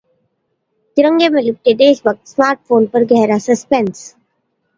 तिरंगे में लिपटे 'देशभक्त स्मार्टफोन' पर गहरा सस्पेंस?